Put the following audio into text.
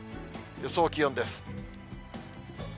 予想気温です。